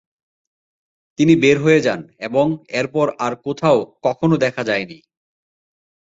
তিনি বের হয়ে যান এবং এরপর আর কোথাও কখনো দেখা যায়নি।